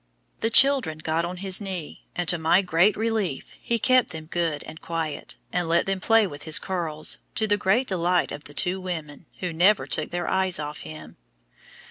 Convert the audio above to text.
The children got on his knee, and, to my great relief, he kept them good and quiet, and let them play with his curls, to the great delight of the two women, who never took their eyes off him.